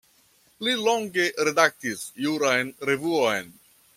Li longe redaktis juran revuon.